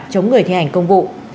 chống người thi hành công vụ